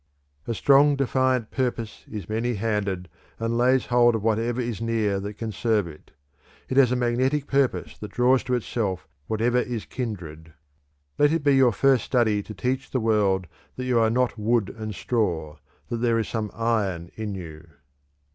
"A strong, defiant purpose is many handed and lays hold of whatever is near that can serve it; it has a magnetic purpose that draws to itself whatever is kindred. Let it be your first study to teach the world that you are not wood and straw; that there is some iron in you."